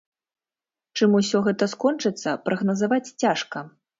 Чым усё гэта скончыцца, прагназаваць цяжка.